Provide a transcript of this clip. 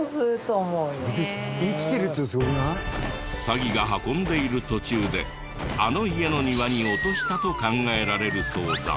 サギが運んでいる途中であの家の庭に落としたと考えられるそうだ。